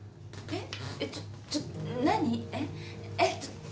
えっ？